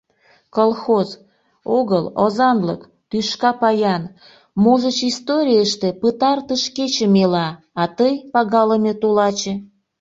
Колхоз... огыл, озанлык... тӱшка паян... можыч, историйыште пытартыш кечым ила, а тый, пагалыме тулаче...